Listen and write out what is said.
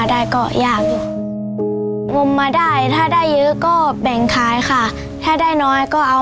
หนูก็เสียใจค่ะที่ไม่มีพ่อมีแม่เหมือนเพื่อนค่ะ